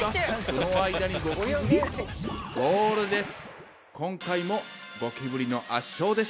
その間にゴキブリゴールです。